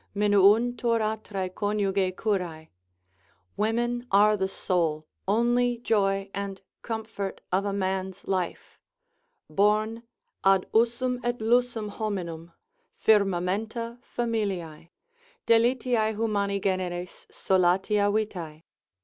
Minuuntur atrae conjuge curae, women are the sole, only joy, and comfort of a man's life, born ad usum et lusum hominum, firmamenta familiae, Delitiae humani generis, solatia vitae.